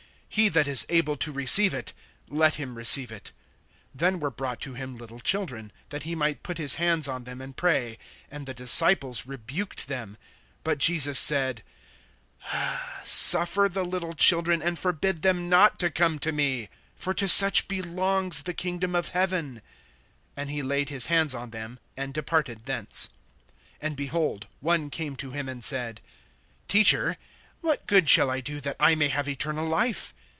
He that is able to receive it, let him receive it. (13)Then were brought to him little children, that he might put his hands on them and pray; and the disciples rebuked them. (14)But Jesus said: Suffer the little children, and forbid them not to come to me; for to such belongs the kingdom of heaven. (15)And he laid his hands on them, and departed thence. (16)And, behold, one came to him and said: Teacher, what good shall I do, that I may have eternal life?